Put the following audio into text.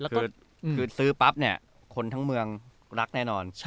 คือซื้อปั๊บเนี่ยคนทั้งเมืองรักแน่นอน